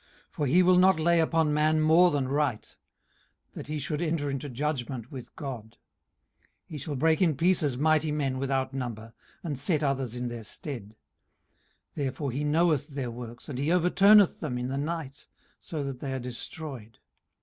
18:034:023 For he will not lay upon man more than right; that he should enter into judgment with God. 18:034:024 He shall break in pieces mighty men without number, and set others in their stead. 18:034:025 Therefore he knoweth their works, and he overturneth them in the night, so that they are destroyed.